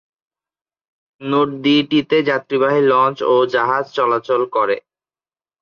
নদীটিতে যাত্রীবাহী লঞ্চ ও জাহাজ চলাচল করে।